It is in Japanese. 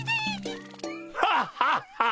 ハッハッハ！